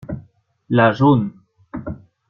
La jaune.